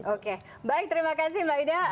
oke baik terima kasih mbak ida